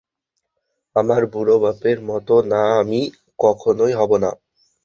আমার বুড়ো বাপের মতো না আমি, কখনোই হবো না।